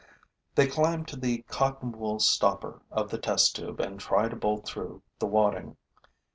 They climb to the cotton wool stopper of the test tube and try to bolt through the wadding.